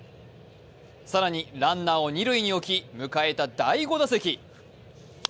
更にランナーを二塁に起き迎えた第５打席。